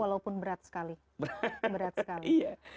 walaupun berat sekali